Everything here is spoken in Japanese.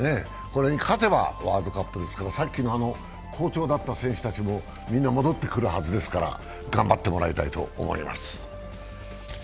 これに勝てばワールドカップですから、さっきの好調だった選手たちもみんな戻ってくるはずですから頑張ってもらいたいと思います。